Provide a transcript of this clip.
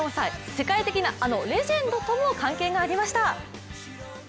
世界的なあのレジェンドとも関係がありました。